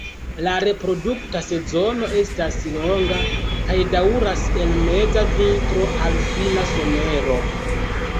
La reprodukta sezono estas longa, kaj daŭras el meza vintro al fina somero.